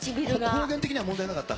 方言的には問題なかった？